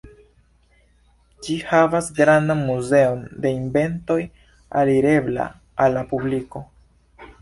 Ĝi havas grandan muzeon de inventoj alirebla al la publiko.